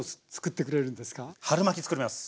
春巻作ります。